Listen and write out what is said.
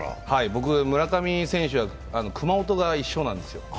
僕、村上選手は熊本が一緒なんですよ。